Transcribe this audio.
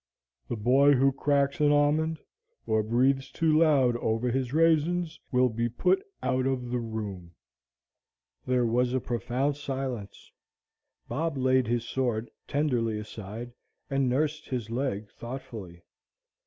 The boy who cracks an almond, or breathes too loud over his raisins, will be put out of the room?" There was a profound silence. Bob laid his sword tenderly aside, and nursed his leg thoughtfully.